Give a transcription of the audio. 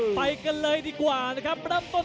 สวัสดีครับทายุรัฐมวยไทยไฟตเตอร์